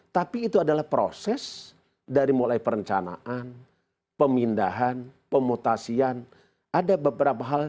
tapi itu adalah proses dari mulai perencanaan pemindahan pemutasian ada beberapa hal